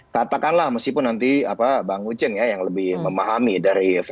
katakanlah meskipun nanti bang uceng ya yang lebih memahami dari